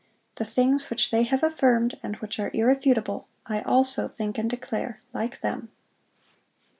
The things which they have affirmed, and which are irrefutable, I also think and declare, like them."